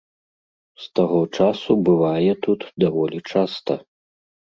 З таго часу бывае тут даволі часта.